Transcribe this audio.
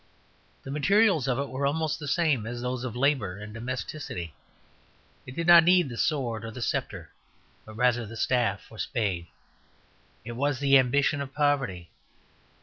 The materials of it were almost the same as those of labour and domesticity: it did not need the sword or sceptre, but rather the staff or spade. It was the ambition of poverty.